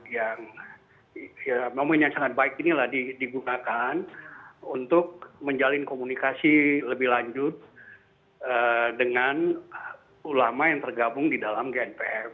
yang momen yang sangat baik inilah digunakan untuk menjalin komunikasi lebih lanjut dengan ulama yang tergabung di dalam gnpf